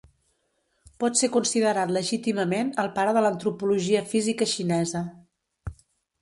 Pot ser considerat legítimament el pare de l'antropologia física xinesa.